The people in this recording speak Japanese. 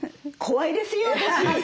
怖いですよ私。